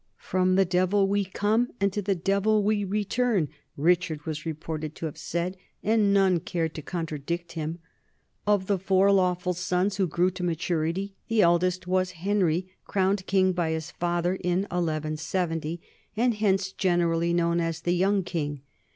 "From the Devil we come, and to the Devil we return," Richard was reported to have said; and none cared to con tradict him. Of the four lawful sons who grew to ma turity, the eldest was Henry, crowned king by his father in 1170, and hence generally known as the Young King.